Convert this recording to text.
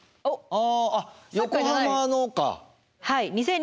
あ！